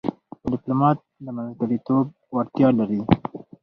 ډيپلومات د منځګړیتوب وړتیا لري.